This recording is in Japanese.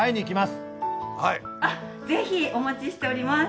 あっ是非お待ちしております。